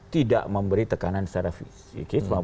tidak memberi tekanan secara fisik